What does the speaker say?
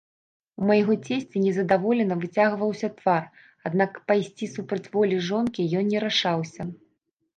У майго цесця незадаволена выцягваўся твар, аднак пайсці супраць волі жонкі ён не рашаўся.